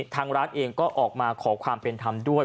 ทางร้านเองก็ออกมาขอความเป็นธรรมด้วย